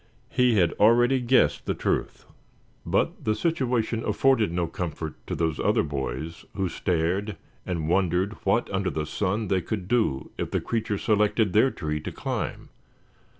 He had already guessed the truth. But the situation afforded no comfort to those other boys who stared, and wondered what under the sun they could do if the creature selected their tree to climb.